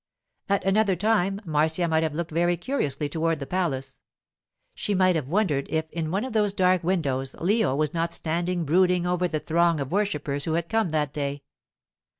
At another time Marcia might have looked very curiously toward the palace. She might have wondered if in one of those dark windows Leo was not standing brooding over the throng of worshippers who had come that day.